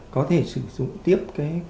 có thể sử dụng tiếp